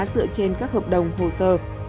dựa trên các hợp đồng hồ sơ